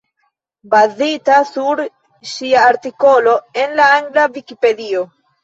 Bazita sur ŝia artikolo en la angla Vikipedio.